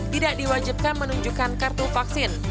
tidak diwajibkan menunjukkan kartu vaksin